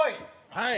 はい！